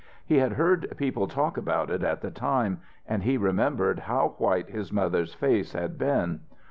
He had heard people talk about it at the time, and he remembered how white his mother's face had been.